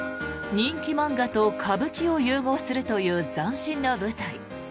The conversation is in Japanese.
人気漫画と歌舞伎を融合するという斬新な舞台。